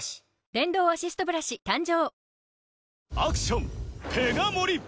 電動アシストブラシ誕生！